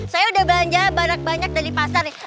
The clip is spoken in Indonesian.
saya udah belanja banyak banyak dari pasar nih